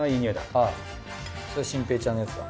あっそれ心平ちゃんのやつだ。